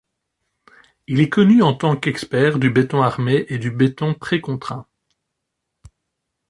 Il est connu en tant qu'expert du béton armé et du béton précontraint.